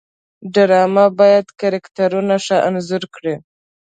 ډرامه باید کرکټرونه ښه انځور کړي